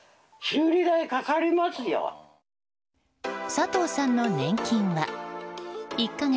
佐藤さんの年金は１か月